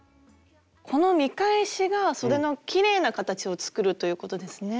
この見返しがそでのきれいな形を作るということですね。